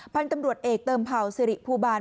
พันธุ์ตำรวจเอกเติมเผ่าสิริภูบาล